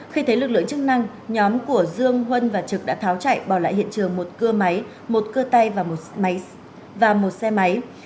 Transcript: khi thấy lực lượng chức năng nhóm của dương huân và trực đã tháo chạy bỏ lại hiện trường một cưa máy một cưa tay và một xe máy